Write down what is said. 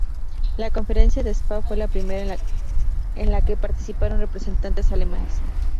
La Conferencia de Spa fue la primera en la que participaron representantes alemanes.